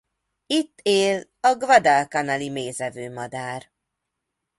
Itt él a guadalcanali mézevő madár.